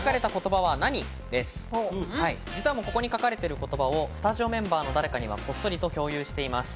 ここに書かれている言葉をスタジオメンバーの誰かにこっそり共有しています。